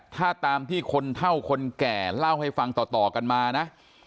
ถ้าตามที่คนเท่าคนแก่เล่าให้ฟังต่อกันมานะ